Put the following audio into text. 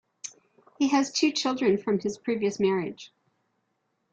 He has two children from his previous marriage.